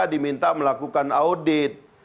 diminta melakukan audit